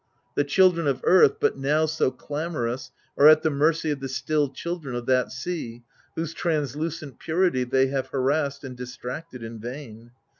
The children of earth, but now so clamorous, are at the mercy of the still children of that sea whose translucent purity they have harassed and distracted in vain.